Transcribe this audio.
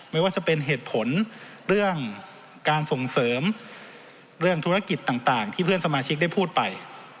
ไม่ว่าจะเป็นเหตุผลเรื่องการส่งเสริมเรื่องธุรกิจต่างที่เพื่อนสมาชิกได้พูดไป